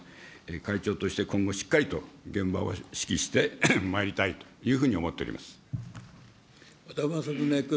会長として今後しっかりと現場を指揮してまいりたいというふうに和田政宗君。